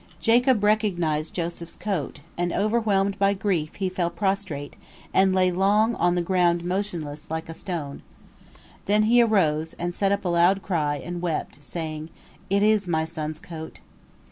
Jacob recognized Joseph's coat, and, overwhelmed by grief, he fell prostrate, and long lay on the ground motionless, like a stone. Then he arose, and set up a loud cry, and wept, saying, "It is my son's coat."